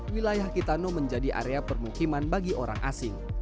wilayah kitano menjadi area permukiman bagi orang asing